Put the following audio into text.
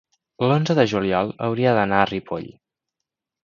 l'onze de juliol hauria d'anar a Ripoll.